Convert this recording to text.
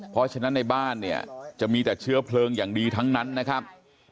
เพราะฉะนั้นในบ้านเนี่ยจะมีแต่เชื้อเพลิงอย่างดีทั้งนั้นนะครับ